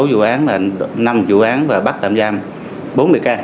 sáu vụ án là năm vụ án và bắt tạm giam bốn mươi ca